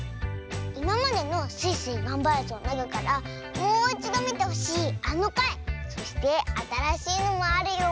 いままでの「スイスイ！がんばるぞ」のなかからもういちどみてほしいあのかいそしてあたらしいのもあるよ。